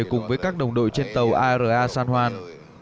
cùng với các đồng đội trên tàu ara san juan